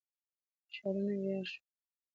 ښارونه ویران شول.